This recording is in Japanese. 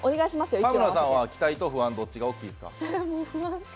田村さんは期待と不安、どっちが大きいですか？